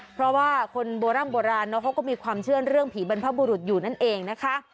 เพราะว่าคนโบร่ำโบราณเขาก็มีความเชื่อเรื่องผีบรรพบุรุษอยู่นั่นเองนะคะ